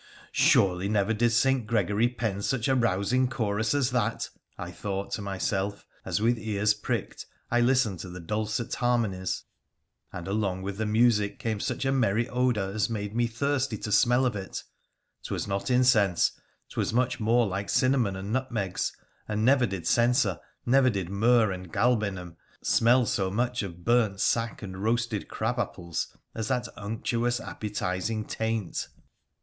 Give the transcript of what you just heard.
' Surely never did St. Gregory pen such a rousing chorus as that,' I thought to myself, as, with ears pricked, I listened to the dulcet har monies. And along with the music came such a merry odoul as made me thirsty to smell of it. 'Twas not incense — 'twas much more like cinnamon and nutmegs — and never did censer — never did myrrh and galbanum smell so much of burnt sack and roasted crab apples as that unctuous, appetising taint.